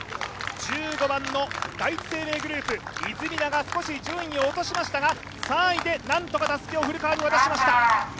１５番の第一生命グループ・出水田が少し順位を落としましたが３位で何とかたすきを古川に渡しました。